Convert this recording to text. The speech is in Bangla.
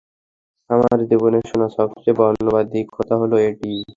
আমার জীবনে শোনা সবচেয়ে বর্ণবাদী কথা হলো এটি।